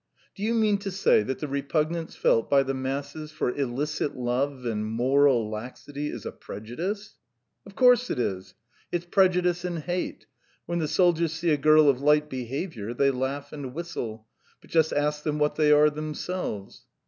"Do you mean to say that the repugnance felt by the masses for illicit love and moral laxity is a prejudice?" "Of course it is. It's prejudice and hate. When the soldiers see a girl of light behaviour, they laugh and whistle; but just ask them what they are themselves."